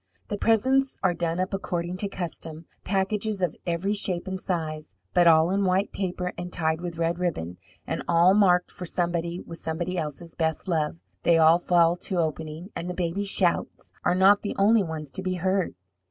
The presents are done up according to custom, packages of every shape and size, but all in white paper and tied with red ribbon, and all marked for somebody with somebody else's best love. They all fall to opening, and the babies' shouts are not the only ones to be heard.